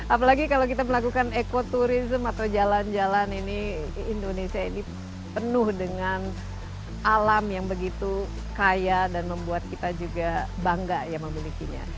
apalagi kalau kita melakukan ekoturism atau jalan jalan ini indonesia ini penuh dengan alam yang begitu kaya dan membuat kita juga bangga ya memilikinya